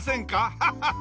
ハハハハ！